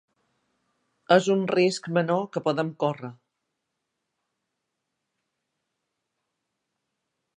És un risc menor que podem córrer.